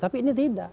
tapi ini tidak